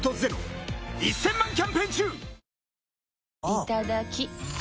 いただきっ！